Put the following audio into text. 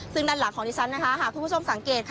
ซึ่งด้านหลังของดิฉันคุณผู้ชมสังเกต